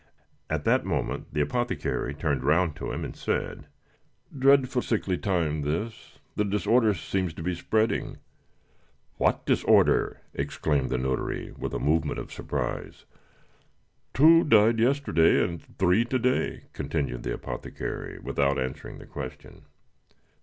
At that moment the apothecary turned round to him and said: "Dreadful sickly time, this! The disorder seems to be spreading." "What disorder?" exclaimed the notary, with a movement of surprise. "Two died yesterday, and three to day," continued the apothecary, without answering the question.